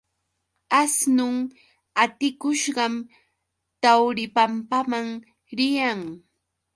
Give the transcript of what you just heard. Asnun atikushqam Tawripampaman riyan.